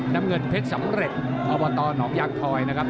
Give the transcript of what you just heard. น้ำเงินเพชรสำเร็จอบตหนองยางทอยนะครับ